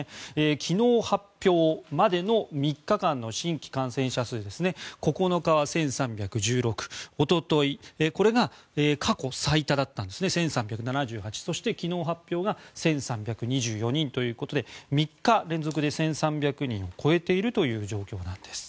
昨日、発表までの３日間の新規感染者数９日は１３１６一昨日、これが過去最多の１３７８人そして昨日発表が１３２４人ということで３日連続で１３００人を超えているという状況なんです。